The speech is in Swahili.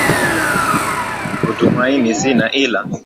Cha kutumaini sina ila